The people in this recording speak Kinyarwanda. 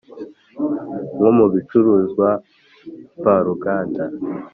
Nko mu bicuruzwa mvaruganda